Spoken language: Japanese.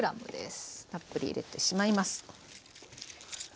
たっぷり入れてしまいます。